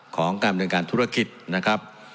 ของการบรรยาการธุรกิจนะครับ